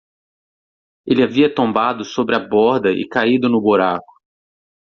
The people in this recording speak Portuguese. Ele havia tombado sobre a borda e caído no buraco.